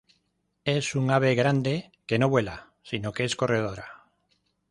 Es un ave grande que no vuela, sino que es corredora.